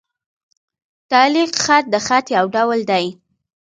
تعلیق خط؛ د خط یو ډول دﺉ.